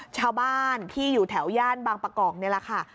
ชาวบ้านที่อยู่แถวย่านบางประกอบนี่แหละค่ะ